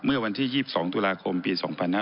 เมื่อวันที่๒๒ตุลาคมปี๒๕๕๙